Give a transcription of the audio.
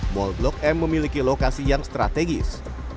mall blok m memiliki lokasi yang strategis